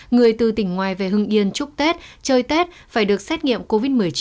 người từ tỉnh ngoài về hưng yên chúc tết chơi tết phải được xét nghiệm covid một mươi chín